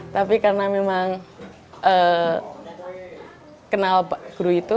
tapi karena memang kenal guru itu